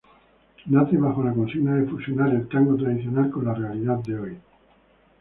Nace bajo la consigna de fusionar el tango tradicional con la realidad de hoy.